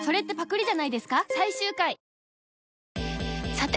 さて！